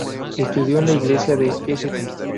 Estudió en la Iglesia de St.